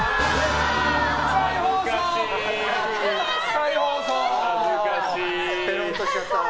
再放送！